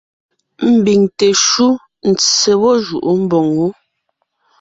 Ḿbiŋ teshúʼ, ntse gwɔ́ jʉʼó mboŋó.